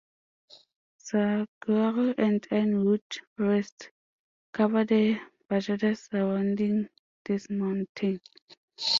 Saguaro and ironwood forests cover the bajadas surrounding this mountain.